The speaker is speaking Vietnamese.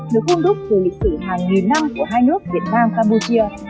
được hôn đúc từ lịch sử hàng nghìn năm của hai nước việt nam campuchia